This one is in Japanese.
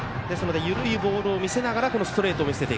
緩いボールを見せながらストレートを見せる。